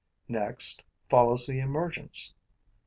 Next follows the emergence.